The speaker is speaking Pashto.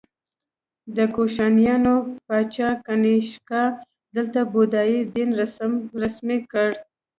د کوشانیانو پاچا کنیشکا دلته بودايي دین رسمي کړ